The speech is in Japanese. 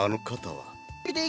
はい。